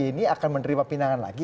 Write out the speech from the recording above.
ini akan menerima pinangan lagi